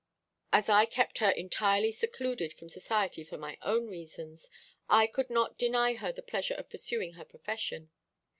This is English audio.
As I kept her entirely secluded from society for my own reasons, I could not deny her the pleasure of pursuing her profession.